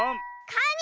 カニ